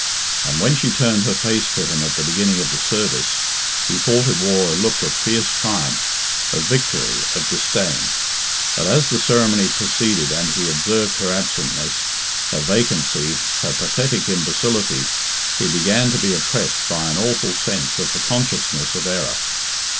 And when she turned her face to him at the beginning of the service, he thought it wore a look of fierce triumph, of victory, of disdain. But as the ceremony proceeded and he observed her absent ness, her vacancy, her pathetic imbecility, he began to be oppressed by an awful sense of her consciousness of error.